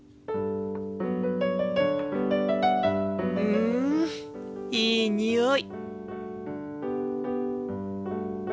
うんいいにおい。